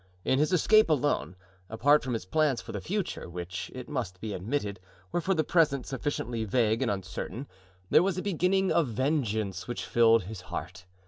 In his escape alone, apart from his plans for the future, which, it must be admitted, were for the present sufficiently vague and uncertain, there was a beginning of vengeance which filled his heart.